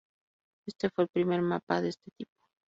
Este fue el primer mapa de este tipo.